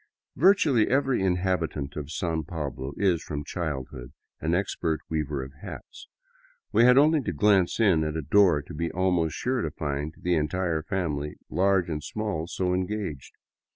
Virtually every inhabitant of San Pablo is, from childhood, an ex pert weaver of hats. We had only to glance in at a door to be almost sure to find the entire family, large and small, so engaged.